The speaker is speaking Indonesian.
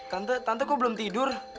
tante tante kok belum tidur